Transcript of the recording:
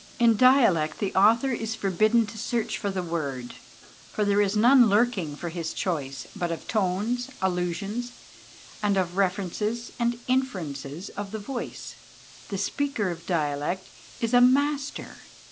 In dialect the author is forbidden to search for the word, for there is none lurking for his choice; but of tones, allusions, and of references and inferences of the voice, the speaker of dialect is a master.